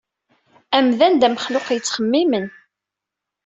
Amdan d amexluq yettxemmimen.